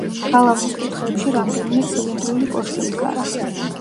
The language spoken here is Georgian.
გალავნის კუთხეებში რამდენიმე ცილინდრული კოშკი მდგარა.